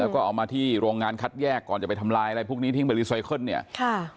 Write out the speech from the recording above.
แล้วก็เอามาที่โรงงานคัดแยกก่อนจะไปทำลายอะไรพวกนี้ทิ้งไปรีไซเคิลเนี่ยค่ะ